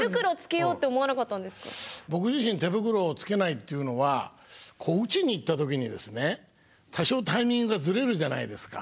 僕自身手袋をつけないっていうのは打ちにいった時にですね多少タイミングがずれるじゃないですか。